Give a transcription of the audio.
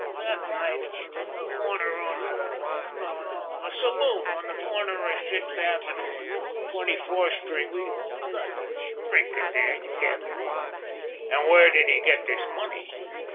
"That night in a saloon on the corner of Sixth Avenue and Twenty Fourth Street; we got to drinking together there." "And where did he get this money?"